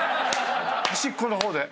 端っこの方で。